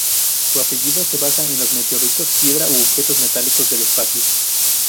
Su apellido se basa en los meteoritos, piedras u objetos metálicos del espacio.